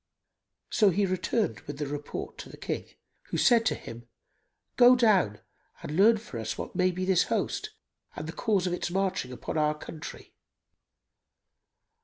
So he returned with the report to the King, who said to him, "Go down and learn for us what may be this host and the cause of its marching upon our country.